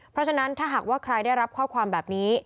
เพราะฉะนั้นถ้าหากว่าใครได้รับข้อความแบบนี้